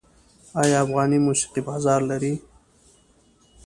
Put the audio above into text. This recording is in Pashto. آیا افغاني موسیقي بازار لري؟